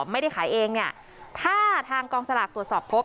ไม่ได้ขายเองเนี่ยถ้าทางกองสลากตรวจสอบพบ